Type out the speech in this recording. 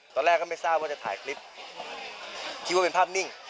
ตอนแรกก็ไม่ทราบว่าจะถ่ายคลิปคิดว่าเป็นภาพนิ่ง